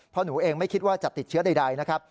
เพราะหนูเองไม่คิดว่าจะติดเชื้อใดนะครับ